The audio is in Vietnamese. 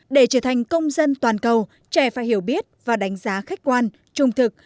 để trở thành công dân toàn cầu trẻ phải hiểu biết và đánh giá khách quan trung thực